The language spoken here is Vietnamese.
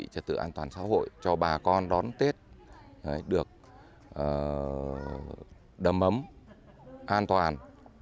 trật tự an toàn xã hội cho bà con đón tết được đầm ấm an toàn